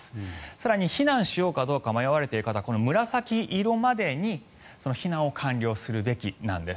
更に、避難しようかどうか迷われている方は紫色までに避難を完了するべきなんです。